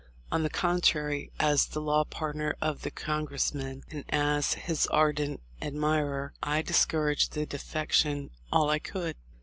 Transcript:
On the contrary, as the law partner of the Congress man, and as his ardent admirer, I discouraged the •defection all I could.